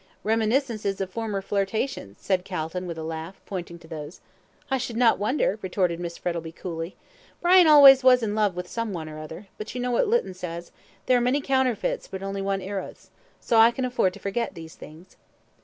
"Reminiscences of former flirtations," said Calton, with a laugh, pointing to these. "I should not wonder," retorted Miss Frettlby, coolly. "Brian always was in love with some one or other; but you know what Lytton says, 'There are many counterfeits, but only one Eros,' so I can afford to forget these things."